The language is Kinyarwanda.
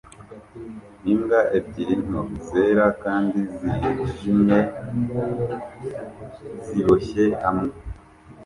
Imbwa ebyiri nto zera kandi zijimye ziboshye hamwe